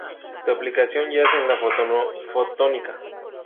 Su aplicación yace en la fotónica.